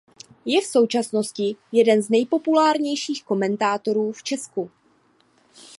Je to v současnosti jeden z nejpopulárnějších komentátorů v Česku.